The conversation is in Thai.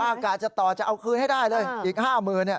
อากาศจะต่อจะเอาคืนให้ได้เลยอีก๕๐๐๐บาท